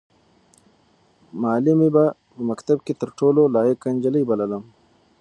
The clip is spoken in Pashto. معلمې به په مکتب کې زه تر ټولو لایقه نجلۍ بللم.